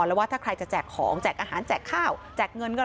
แล้วว่าถ้าใครจะแจกของแจกอาหารแจกข้าวแจกเงินก็แล้ว